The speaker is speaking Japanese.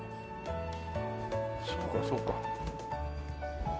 そうかそうか。